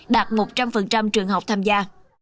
đạt một trăm linh trường học tham gia